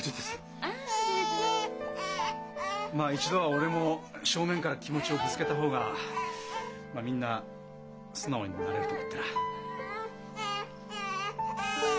まあ一度は俺も正面から気持ちをぶつけた方がみんな素直になれると思ってな。